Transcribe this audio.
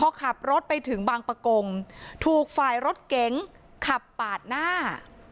พอขับรถไปถึงบางประกงถูกฝ่ายรถเก๋งขับปาดหน้า